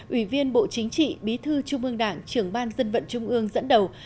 ủy viên bộ chính trị bí thư trung ương đảng trưởng ban dân vận trung ương dẫn đầu